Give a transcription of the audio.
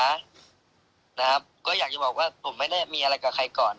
นะครับก็อยากจะบอกว่าผมไม่ได้มีอะไรกับใครก่อน